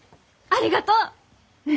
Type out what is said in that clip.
ありがとね！